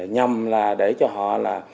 nhằm là để cho họ